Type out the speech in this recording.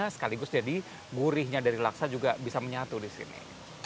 sekaligus jadi gurihnya dari laksa juga bisa menyatu di sini